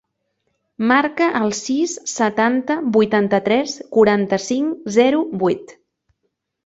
Marca el sis, setanta, vuitanta-tres, quaranta-cinc, zero, vuit.